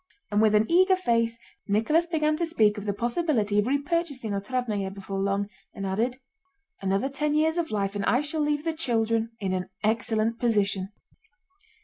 And with an eager face Nicholas began to speak of the possibility of repurchasing Otrádnoe before long, and added: "Another ten years of life and I shall leave the children... in an excellent position."